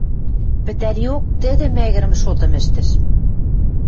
Пӹтӓриок тӹдӹ мӓгӹрӹмӹ шотым ӹштӹш.